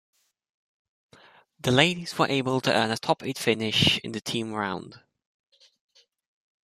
The ladies were able to earn a top eight finish in the team round.